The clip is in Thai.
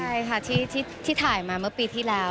ใช่ค่ะที่ถ่ายมาเมื่อปีที่แล้ว